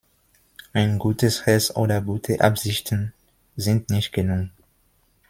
Ein gutes Herz oder gute Absichten sind nicht genug.